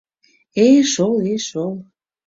— Э-шол, э-шол.